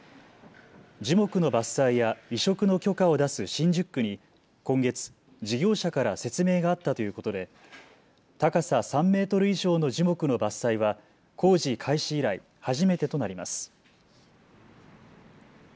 樹木の伐採や移植の許可を出す新宿区に今月、事業者から説明があったということで高さ３メートル以上の樹木の伐採は工事開始以来初めてとなります。